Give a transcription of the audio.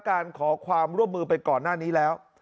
ขอความร่วมมือไปก่อนหน้านี้แล้ว